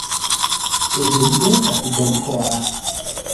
Sed li estas bonkora.